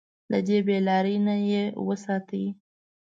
له دې بې لارۍ نه يې وساتي.